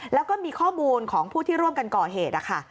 แล้วก็มีข้อมูลของผู้ที่ร่วมกันก่อเหตุนะคะ